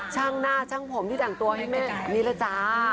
ช่างหน้าช่างผมที่แต่งตัวให้แม่นี่แหละจ้า